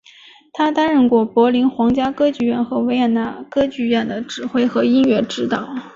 他担任过柏林皇家歌剧院和维也纳歌剧院的指挥和音乐指导。